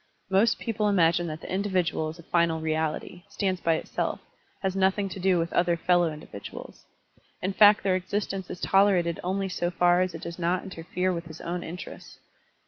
Most people imagine that the individual is a final reality, stands by itself, has nothing to do with other fellow individuals; in fact their existence is tolerated only so far as it does not interfere with his own interests.